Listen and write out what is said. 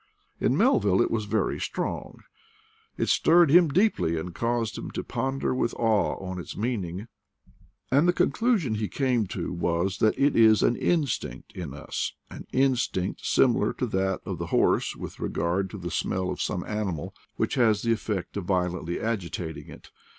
In Melville it was very strong; it stirred him deeply, and caused him to ponder with awe on its meaning; and the conclusion he came to was that it is an instinct in us — an instinct simi SNOW, AND QUALITY OF WHITENESS 115 lar to that of the horse with regard to the smell of some animal which has the effect of violently agitating it.